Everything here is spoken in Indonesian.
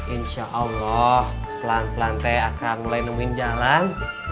insya allah pelan pelan saya akan mulai nemuin jalan